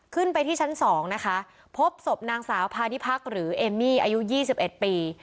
ขึ้นไปที่ชั้นสองนะคะพบสบนางสาวพาดิพักหรือเอมมี่อายุยี่สิบเอ็ดปี